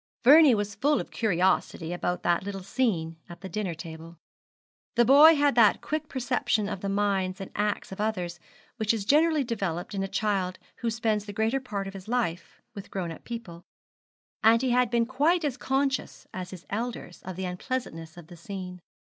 Vernie was full of curiosity about that little scene at the dinner table. The boy had that quick perception of the minds and acts of others which is generally developed in a child who spends the greater part of his life with grown up people; and he had been quite as conscious as his elders of the unpleasantness of the scene.